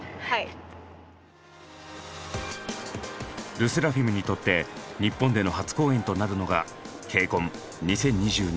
ＬＥＳＳＥＲＡＦＩＭにとって日本での初公演となるのがＫＣＯＮ２０２２